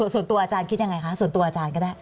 ส่วนตัวอาจารย์คิดยังไงคะส่วนตัวอาจารย์ก็ได้